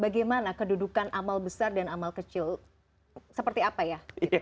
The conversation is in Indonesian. bagaimana kedudukan amal besar dan amal kecil seperti apa ya